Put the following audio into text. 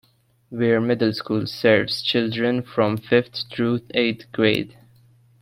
Weare Middle School serves children from fifth through eighth grade.